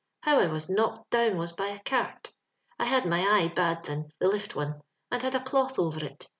How I was knocked down was by a cart ; I had my eye bad thin, the lift one, and had a cloth over it.